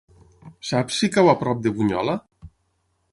Saps si cau a prop de Bunyola?